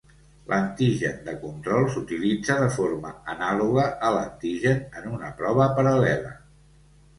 L'antigen de control s'utilitza de forma anàloga a l'antigen en una prova paral·lela.